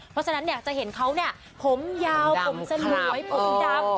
เพราะฉะนั้นเนี่ยจะเห็นเขาเนี่ยผมยาวผมสลวยผมดำ